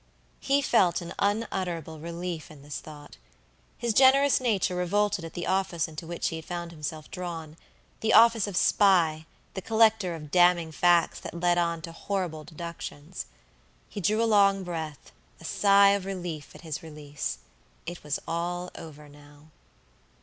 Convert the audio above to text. He felt an unutterable relief in this thought. His generous nature revolted at the office into which he had found himself drawnthe office of spy, the collector of damning facts that led on to horrible deductions. He drew a long breatha sigh of relief at his release. It was all over now.